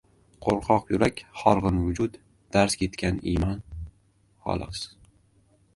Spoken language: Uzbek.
Qo‘rqoq yurak, horg‘in vujud, darz ketgan iymon, xolos.